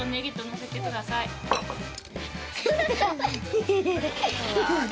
フフフッ！